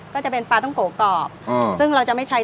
ก็จะเป็นปลาต้องโกกรอบซึ่งเราจะไม่ใช้